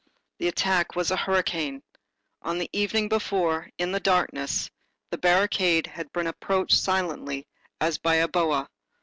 The attack was a hurricane. On the evening before, in the darkness, the barricade had been approached silently, as by a boa.